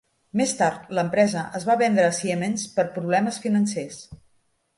Més tard, l'empresa es va vendre a Siemens per problemes financers.